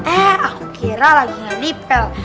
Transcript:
eh aku kira lagi ga dipel